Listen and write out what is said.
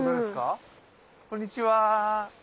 あこんにちは。